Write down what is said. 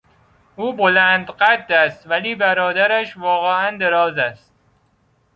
او بلند قد است ولی برادرش واقعا دراز است.